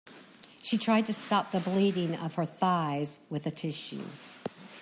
She tried to stop the bleeding of her thighs with a tissue.